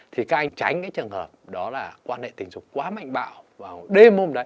thì các anh tránh cái trường hợp đó là quan hệ tình dục quá mạnh bạo vào đêm hôm đấy